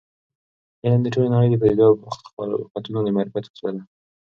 علم د ټولې نړۍ د پدیدو او خلقتونو د معرفت وسیله ده.